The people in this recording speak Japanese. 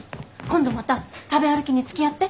今度また食べ歩きにつきあって。